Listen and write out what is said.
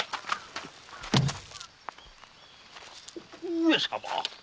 上様